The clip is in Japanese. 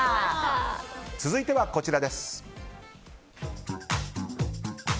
続いてはこちらです。